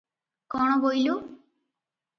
କଣ ବୋଇଲୁ?